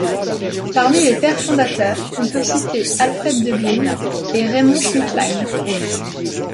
Parmi les pères fondateurs, on peut citer Alfred Döblin et Raymond Schmittlein.